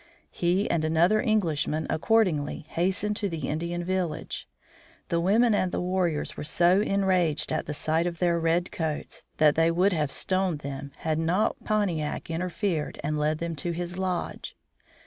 He and another Englishman, accordingly, hastened to the Indian village. The women and the warriors were so enraged at the sight of their red coats, that they would have stoned them had not Pontiac interfered and led them to his lodge.